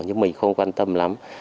nhưng mình không quan tâm lắm